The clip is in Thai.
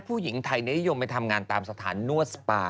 ผู้หญิงไทยนี้จงยงไปทำงานตามสถานรสปา